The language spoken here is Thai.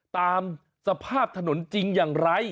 ตามสภาพถนนจริงอย่างไร